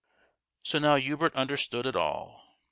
So now Hubert understood it all.